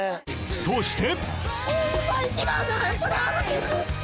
［そして］